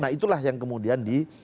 nah itulah yang kemudian di